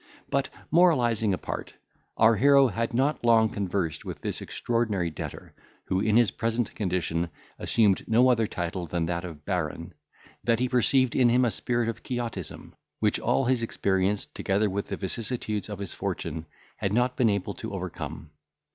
But, moralising apart, our hero had not long conversed with this extraordinary debtor, who in his present condition assumed no other title than that of Baron, than he perceived in him a spirit of Quixotism, which all his experience, together with the vicissitudes of his fortune, had not been able to overcome.